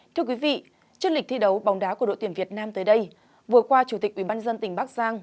thưa quý vị trước lịch thi đấu bóng đá của đội tuyển việt nam tới đây vừa qua chủ tịch ubnd tỉnh bắc giang